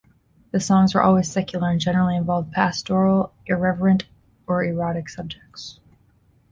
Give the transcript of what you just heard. The songs were always secular, and generally involved pastoral, irreverent, or erotic subjects.